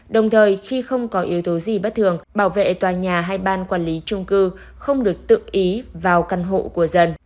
đồng thời khi không có yếu tố gì bất thường bảo vệ tòa nhà hay ban quản lý trung cư không được tự ý vào căn hộ của dân